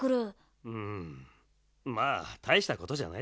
うんまあたいしたことじゃないだろ。